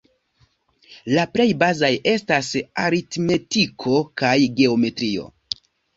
La plej bazaj estas aritmetiko kaj geometrio.